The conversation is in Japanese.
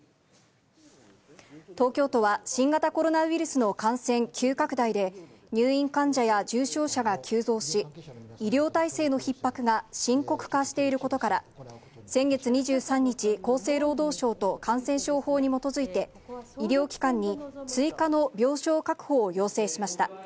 東京都は、新型コロナウイルスの感染急拡大で、入院患者や重症者が急増し、医療体制のひっ迫が深刻化していることから、先月２３日、厚生労働省と感染症法に基づいて、医療機関に追加の病床確保を要請しました。